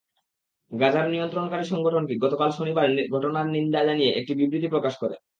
গাজার নিয়ন্ত্রণকারী সংগঠনটি গতকাল শনিবার ঘটনার নিন্দা জানিয়ে একটি বিবৃতি প্রকাশ করে।